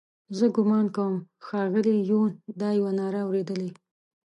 زه ګومان کوم ښاغلي یون دا یوه ناره اورېدلې.